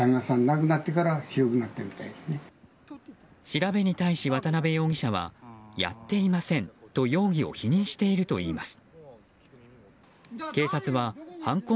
調べに対し、渡部容疑者はやっていませんと容疑を否認しているといいます。